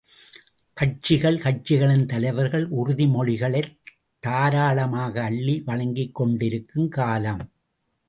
கட்சிகள் கட்சிகளின் தலைவர்கள் உறுதிமொழிகளைத் தாராளமாக அள்ளி வழங்கிக் கொண்டிருக்கும் காலம்!